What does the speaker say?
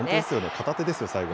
片手ですよ、最後。